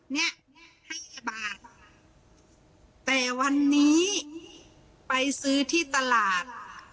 นี่ให้บาทแต่วันนี้ไปซื้อที่ตลาด